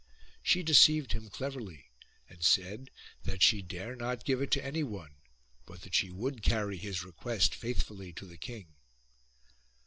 She deceived him cleverly, and said that she dare not give it to anyone, but that she would carry his request faithfully to the king.